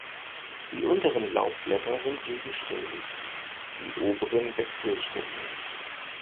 Die unteren Laubblätter sind gegenständig, die oberen wechselständig.